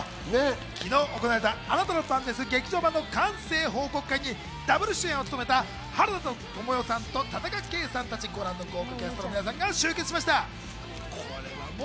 昨日行われた『あなたの番です劇場版』の完成報告会にダブル主演を務めた原田知世さんと田中圭さんたち、ご覧の豪華キャストの皆さんが集結しました。